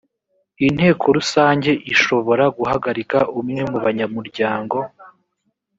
inteko rusange ishobora guhagarika umwe mu banyamuryango